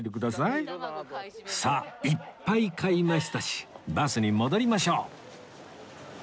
さあいっぱい買いましたしバスに戻りましょう